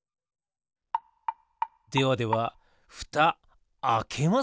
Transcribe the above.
ではではふたあけますよ。